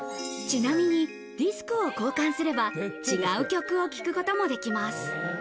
ちなみにディスクを交換すれば違う曲を聴くこともできます。